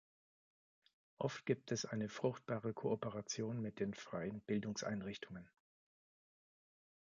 Oft gibt es eine fruchtbare Kooperation mit den freien Bildungseinrichtungen.